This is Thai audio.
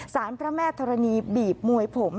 พระแม่ธรณีบีบมวยผม